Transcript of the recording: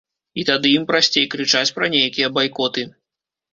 І тады ім прасцей крычаць пра нейкія байкоты.